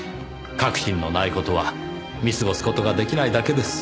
確信のない事は見過ごす事が出来ないだけです。